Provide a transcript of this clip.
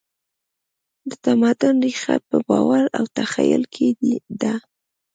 د تمدن ریښه په باور او تخیل کې ده.